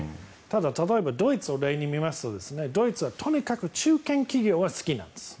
例えばドイツを例に見ますとドイツはとにかく中堅企業が好きなんです。